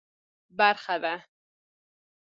برخه ده.